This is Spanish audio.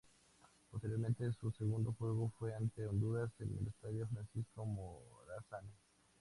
Posteriormente, su segundo juego fue ante Honduras en el Estadio Francisco Morazán.